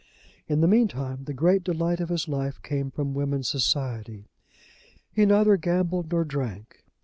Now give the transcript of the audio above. In the meantime the great delight of his life came from women's society. He neither gambled nor drank.